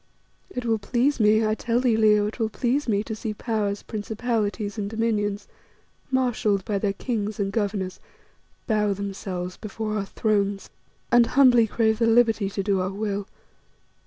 It will please me, I tell thee, Leo, it will please me, to see Powers, Principalities and Dominions, marshalled by their kings and governors, bow themselves before our thrones and humbly crave the liberty to do our will.